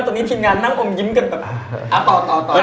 ตอนนี้ทีมงานนั่งอมยิ้มกันแบบ